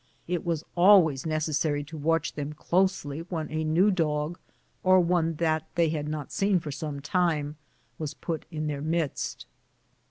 It was always necessary to watch them closely when a new dog, or one that they had not seen for some time, was put in their midst.